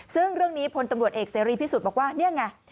ซึ่งเรื่องนี้พลตำรวจเอกเสรีพิสุทธิ์บอกว่านี่ไง